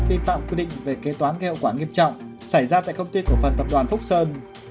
vi phạm quy định về kế toán gây hậu quả nghiêm trọng xảy ra tại công ty cổ phần tập đoàn phúc sơn